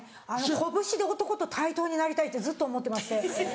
拳で男と対等になりたいってずっと思ってまして。